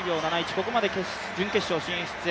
ここまで準決勝進出。